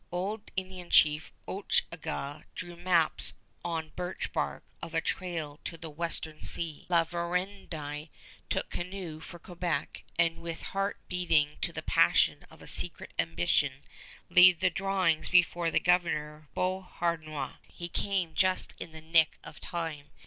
Old Indian chief Ochagach drew maps on birch bark of a trail to the Western Sea. La Vérendrye took canoe for Quebec, and, with heart beating to the passion of a secret ambition, laid the drawings before Governor Beauharnois. He came just in the nick of time.